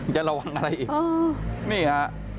จะระวังอะไรอีกนี่ฮะ